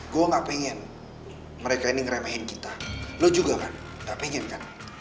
gua ga pengen mereka ini ngeremehin kita lo juga kan ga pengen kan